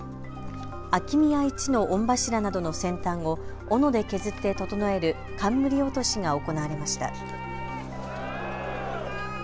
秋宮一の御柱などの先端をおので削って整える冠落しが行われました。